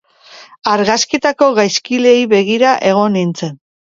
Argazkietako gaizkileei begira egon nintzen.